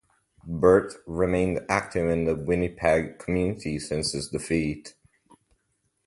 Birt remained active in the Winnipeg community since his defeat.